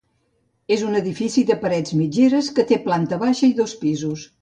És un edifici de parets mitgeres, que té planta baixa i dos pisos.